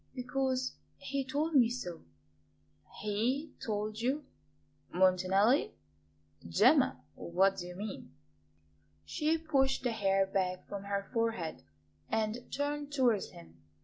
"Because he told me so." "HE told you? Montanelli? Gemma, what do you mean?" She pushed the hair back from her forehead and turned towards him.